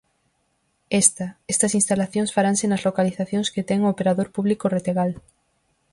Esta, estas instalacións, faranse nas localizacións que ten o operador público Retegal.